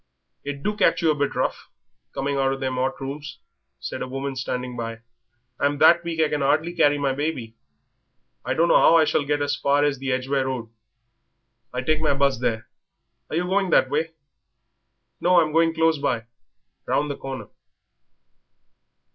"It do catch you a bit rough, coming out of them 'ot rooms," said a woman standing by her. "I'm that weak I can 'ardly carry my baby. I dunno 'ow I shall get as far as the Edgware Road. I take my 'bus there. Are you going that way?" "No, I'm going close by, round the corner."